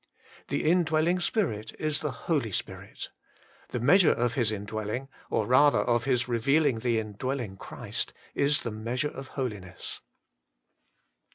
The Indwelling Spirit is the Holy Spirit. The measure of His indwelling, or rather of His revealing the Indwelling Christ, is the measure of holiness.